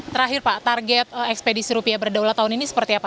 terakhir pak target ekspedisi rupiah berdaulat tahun ini seperti apa